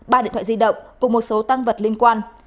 ba điện thoại di động cùng một số tăng vật liên quan